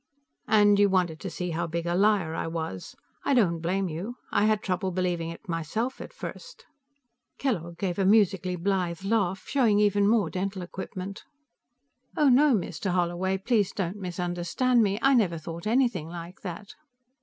"And you wanted to see how big a liar I was. I don't blame you; I had trouble believing it myself at first." Kellogg gave a musically blithe laugh, showing even more dental equipment. "Oh, no. Mr. Holloway; please don't misunderstand me. I never thought anything like that."